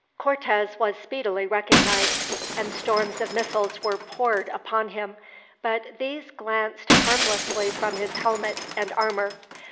Cortez was speedily recognized, and storms of missiles were poured upon him, but these glanced harmlessly from his helmet and armor.